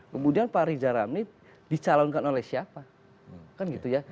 kemudian pak riza ramli dicalonkan oleh siapa kan gitu ya